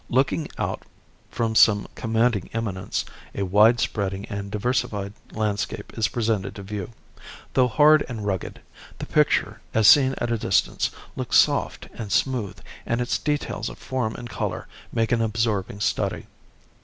Looking out from some commanding eminence, a wide spreading and diversified landscape is presented to view. Though hard and rugged, the picture, as seen at a distance, looks soft and smooth and its details of form and color make an absorbing study.